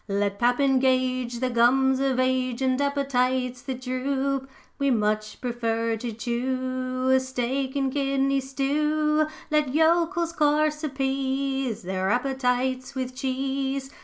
Let pap engage The gums of age And appetites that droop; We much prefer to chew A Steak and kidney stew. 'Let yokels coarse appease Their appetites with cheese.